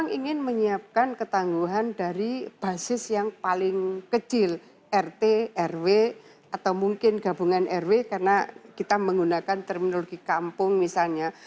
kami ingin menyiapkan ketangguhan dari basis yang paling kecil rt rw atau mungkin gabungan rw karena kita menggunakan terminologi kampung misalnya